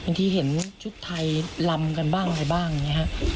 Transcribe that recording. บางทีเห็นชุดไทยลำกันบ้างอะไรบ้างอย่างงี้ฮะ